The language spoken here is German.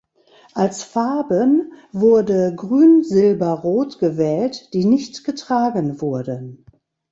Als Farben wurde grün-silber-rot gewählt, die nicht getragen wurden.